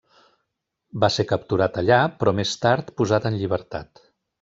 Va ser capturat allà, però més tard posat en llibertat.